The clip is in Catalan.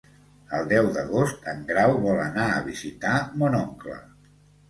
El deu d'agost en Grau vol anar a visitar mon oncle.